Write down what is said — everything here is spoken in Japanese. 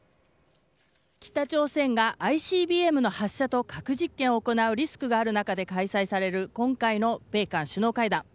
北朝鮮がＩＣＢＭの発射と核実験を行うリスクがある中で開催される今回の米韓首脳会談。